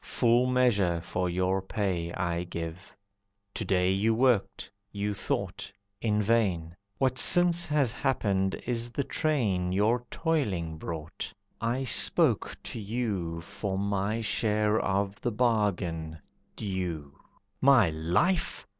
Full measure for your pay I give. To day you worked, you thought, in vain. What since has happened is the train Your toiling brought. I spoke to you For my share of the bargain, due." "My life!